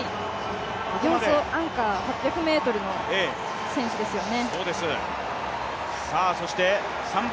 アンカーは８００ｍの選手ですよね。